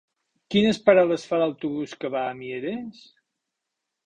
Quines parades fa l'autobús que va a Mieres?